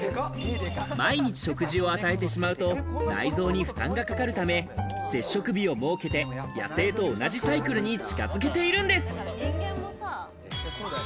毎日食事を与えてしまうと内臓に負担がかかるため、絶食日を設けて、野生と同じサイクルに近づけているんです。